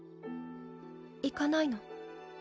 行かないの？